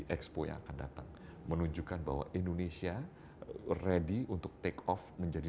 expo yang akan datang menunjukkan bahwa indonesia ready untuk take off menjadi